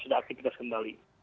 sudah aktivitas kembali